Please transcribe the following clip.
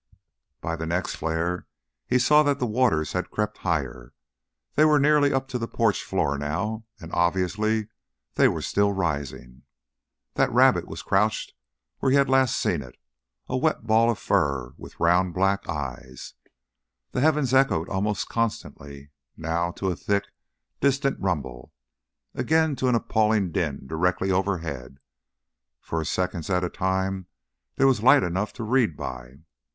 By the next flare he saw that the waters had crept higher. They were nearly up to the porch floor now, and, obviously, they were still rising. That rabbit was crouched where he had last seen it, a wet ball of fur with round, black eyes. The heavens echoed almost constantly, now to a thick, distant rumble, again to an appalling din directly overhead; for seconds at a time there was light enough to read by.